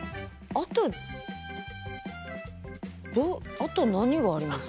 あと何があります？